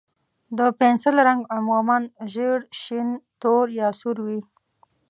د پنسل رنګ عموماً ژېړ، شین، تور، یا سور وي.